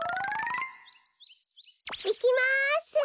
いきます。